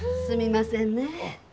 すみませんねぇ。